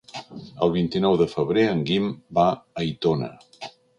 El vint-i-nou de febrer en Guim va a Aitona.